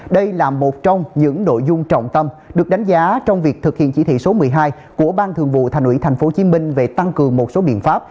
đây là một trong những nội dung trọng tâm được đánh giá trong việc thực hiện chỉ thị số một mươi hai của ban thường vụ thành ủy tp hcm về tăng cường một số biện pháp